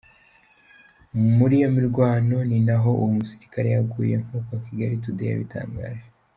Muri iyo mirwano ni naho uwo musirikare yaguye nk’ uko Kigali today yabitangaje.